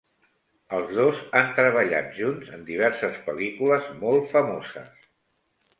Els dos han treballat junts en diverses pel·lícules molt famoses.